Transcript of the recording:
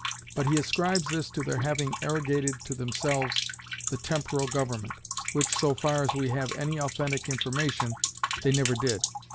But he ascribes this to their having arrogated to themselves the temporal government, which, so far as we have any authentic information, they never did.